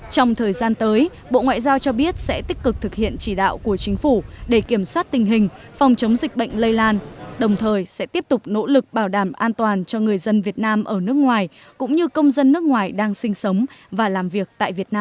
trong thời gian tới bộ ngoại giao cho biết sẽ tích cực thực hiện chỉ đạo của chính phủ để kiểm soát tình hình phòng chống dịch bệnh lây lan đồng thời sẽ tiếp tục nỗ lực bảo đảm an toàn cho người dân việt nam ở nước ngoài cũng như công dân nước ngoài đang sinh sống và làm việc tại việt nam